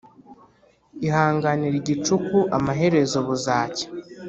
Ihanganire igicuku amaherezo buzacya